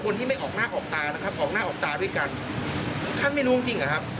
แล้วถ้าสมมติ